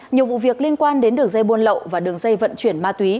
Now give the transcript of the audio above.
nhiều vụ việc liên quan đến đường dây buôn lậu và đường dây vận chuyển ma túy